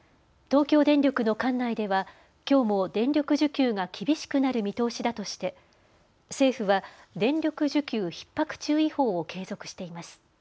東京電力の管内ではきょうも電力需給が厳しくなる見通しだとして政府は電力需給ひっ迫注意報を継続しています。